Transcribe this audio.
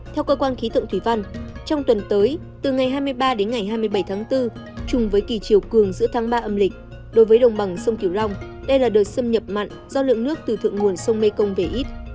theo cơ quan khí tượng thủy văn trong tuần tới từ ngày hai mươi ba đến ngày hai mươi bảy tháng bốn chung với kỳ chiều cường giữa tháng ba âm lịch đối với đồng bằng sông kiều long đây là đợt xâm nhập mặn do lượng nước từ thượng nguồn sông mê công về ít